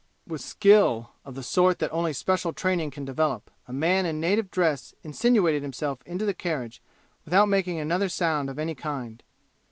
With skill, of the sort that only special training can develop, a man in native dress insinuated himself into the carriage without making another sound of any kind.